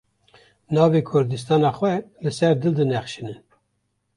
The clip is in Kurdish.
Navê kurdistana xwe li ser dil dinexşînin.